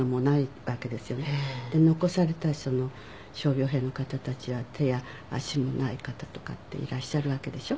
で残された傷病兵の方たちは手や足もない方とかっていらっしゃるわけでしょ。